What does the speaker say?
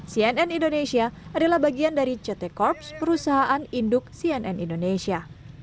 cnn indonesia adalah bagian dari ct corps perusahaan induk cnn indonesia